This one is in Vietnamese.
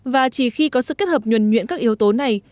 và chỉ khi có sự kết hợp nhuẩn nhuyễn các yếu tố này